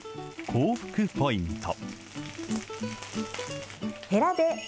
口福ポイント。